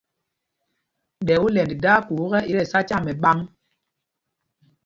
Ɗɛ olɛnd daa kuu ekɛ́, i tí ɛsá tyaa mɛɓám.